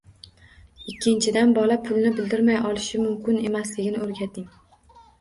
Ikkinchidan, bola pulni bildirmay olishi mumkin emasligini o'rgating.